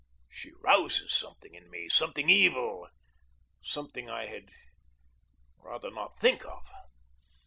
She rouses something in me, something evil, something I had rather not think of.